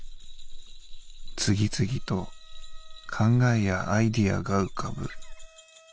次々と考えやアイデアが浮かぶ」。